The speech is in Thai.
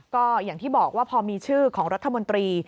ก็อย่างที่บอกว่าพอมีชื่อของรัฐมนตรี